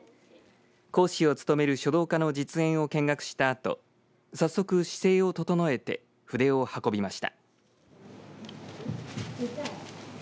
講師を務める書道家の実演を見学したあと早速、姿勢を整えて筆を運びました。